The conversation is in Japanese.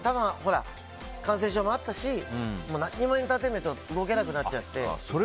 感染症もあったし何もエンターテインメントが動けなくなっちゃって。